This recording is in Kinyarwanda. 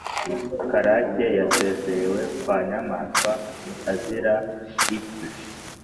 karake yasezerewe kwa nyamwasa azira iki?